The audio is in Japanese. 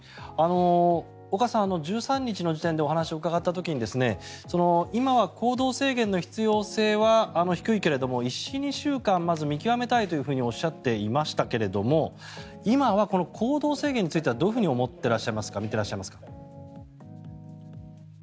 岡さん、１３日の時点でお話を伺った時に今は行動制限の必要性は低いけれども１２週間まず見極めたいとおっしゃっていましたけれども今は行動制限についてはどういうふうに見ていらっしゃいますか？